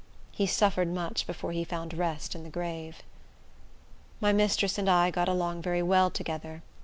He suffered much before he found rest in the grave. My mistress and I got along very well together.